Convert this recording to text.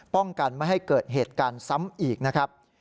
ป้องกันไม่ให้เกิดเหตุการณ์ซ้ำอีกนะครับ